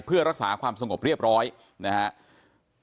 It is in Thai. เพื่อรักษาความสงบเรียบร้อยนะครับ